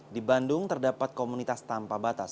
di bandung terdapat komunitas tanpa batas